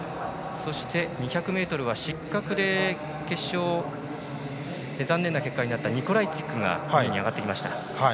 そして２００ｍは失格で決勝、残念な結果になったニコライツィックも上がってきました。